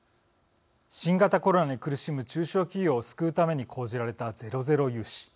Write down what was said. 新型コロナに苦しむ中小企業を救うために講じられたゼロゼロ融資。